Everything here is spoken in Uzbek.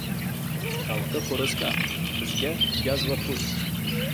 Xalqqa xo‘rozqand, bizga gaz va pul!